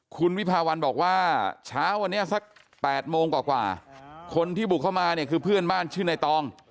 คุณวิภาวันบอกว่าเช้าวันนี้สัก๘โมงกว่าคนที่บุกเข้ามาเนี่ยคือเพื่อนบ้านชื่อในตอง